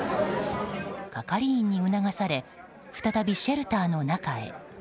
係員に促され再びシェルターの中へ。